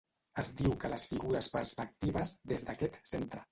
Es diu que les figures perspectives des d'aquest centre.